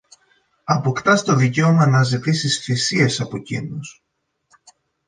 αποκτάς το δικαίωμα να ζητήσεις θυσίες από κείνους